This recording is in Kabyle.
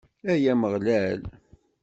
Ay Ameɣlal!